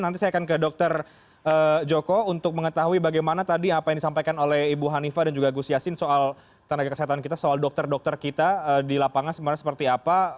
nanti saya akan ke dokter joko untuk mengetahui bagaimana tadi apa yang disampaikan oleh ibu hanifah dan juga gus yassin soal tenaga kesehatan kita soal dokter dokter kita di lapangan sebenarnya seperti apa